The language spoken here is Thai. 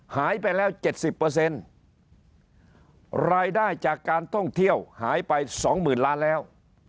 หายไปแล้ว๗๐รายได้จากการท่องเที่ยวหายไปสองหมื่นล้านแล้ว